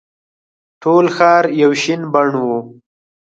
ټول ښار یو شین بڼ وو.